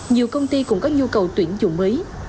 nhiều công ty cũng có nhu cầu tuyển dụng mới